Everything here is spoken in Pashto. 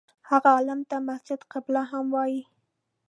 هغه عالم ته مسجد قبله هم وایي.